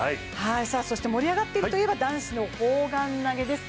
盛り上がっているといえば男子の砲丸投です。